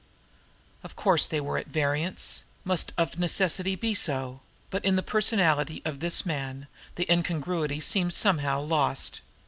Of course they were at variance, must of necessity be so; but in the personality of this man the incongruity seemed somehow lost.